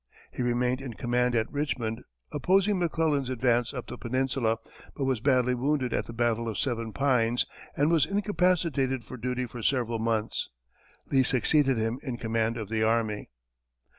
He remained in command at Richmond, opposing McClellan's advance up the peninsula, but was badly wounded at the battle of Seven Pines, and was incapacitated for duty for several months, Lee succeeding him in command of the army.